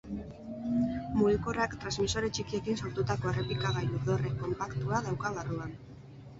Mugikorrak transmisore txikiekin sortutako errepikagailu-dorre konpaktua dauka barruan.